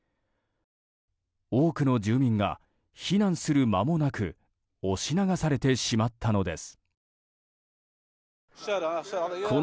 多くの住民が避難する間もなく押し流されてしまったのです。